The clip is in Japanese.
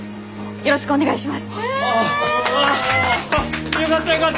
よろしくお願いします。